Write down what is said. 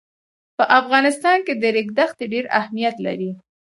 په افغانستان کې د ریګ دښتې ډېر اهمیت لري.